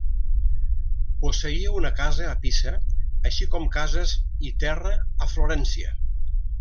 Posseïa una casa a Pisa, així com cases i terra a Florència.